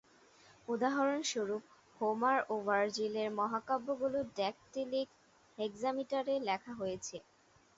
উদাহরণস্বরূপ, হোমার ও ভার্জিলের মহাকাব্যগুলো ড্যাকটিলিক হেক্সামিটারে লেখা হয়েছে।